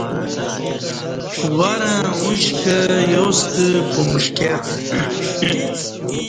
ورں اُش کہ یاستہ پمݜٹیہ